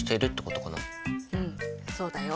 うんそうだよ。